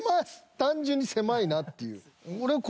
単純に狭いなっていう。